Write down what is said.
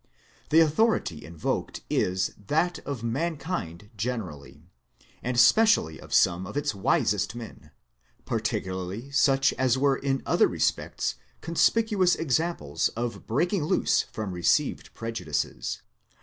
The authority invoked is that of mankind generally, and specially of some of its wisest men ; particularly such as were in other respects conspicuous examples of breaking loose from received prejudices.